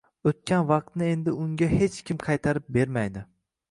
Oʻtgan vaqtni endi unga hech kim qaytarib bermaydi